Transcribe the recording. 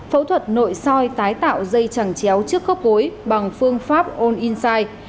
phẫu thuật nội soi tái tạo dây chẳng chéo trước khớp gối bằng phương pháp all inside